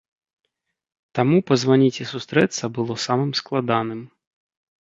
Таму пазваніць і сустрэцца было самым складаным.